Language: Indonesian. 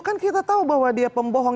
kan kita tahu bahwa dia pembohong